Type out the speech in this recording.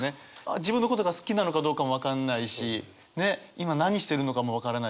自分のことが好きなのかどうかも分かんないしねっ今何してるのかも分からないし。